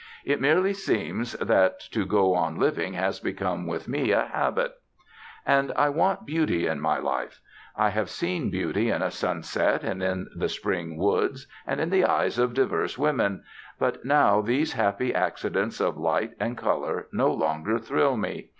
It merely seems that to go on living has become with me a habit.... And I want beauty in my life. I have seen beauty in a sunset and in the spring woods and in the eyes of divers women, but now these happy accidents of light and color no longer thrill me.